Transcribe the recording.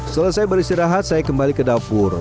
setelah saya beristirahat saya kembali ke dapur